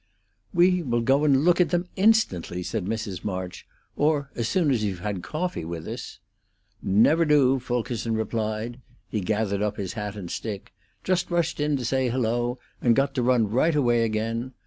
"We will go and look at them instantly," said Mrs. March. "Or, as soon as you've had coffee with us." "Never do," Fulkerson replied. He gathered up his hat and stick. "Just rushed in to say Hello, and got to run right away again.